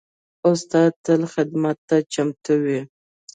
استاد تل خدمت ته چمتو وي.